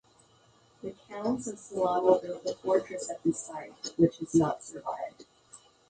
The counts of Celano built a fortress at this site, which has not survived.